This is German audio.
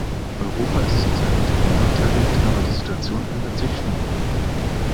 Europa ist zur Zeit nicht benachteiligt, aber die Situation ändert sich schnell.